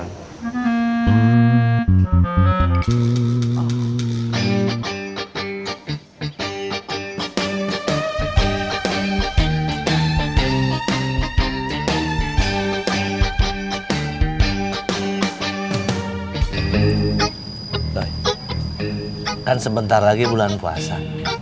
loh kan sebentar lagi bulan puasa